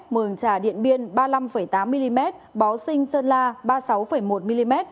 mường trà điện biên ba mươi năm tám mm bó sinh sơn la ba mươi sáu một mm